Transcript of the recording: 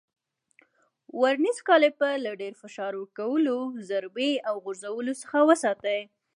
ورنیز کالیپر له ډېر فشار ورکولو، ضربې او غورځولو څخه وساتئ.